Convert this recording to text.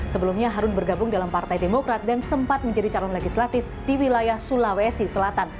sebelumnya harun bergabung dalam partai demokrat dan sempat menjadi calon legislatif di wilayah sulawesi selatan